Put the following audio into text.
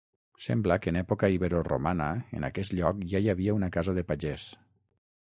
Sembla que en època iberoromana en aquest lloc ja hi havia una casa de pagès.